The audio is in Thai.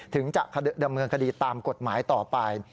ถึงจะดำเนินคดีตามกฎหมายต่อไป